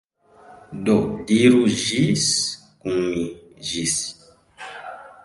Do diru ĝis kun mi. Ĝis!